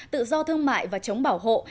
tự do thương mại và chống bảo hộ